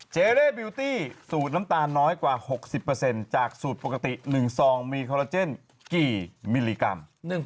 เร่บิวตี้สูตรน้ำตาลน้อยกว่า๖๐จากสูตรปกติ๑ซองมีคอลลาเจนกี่มิลลิกรัม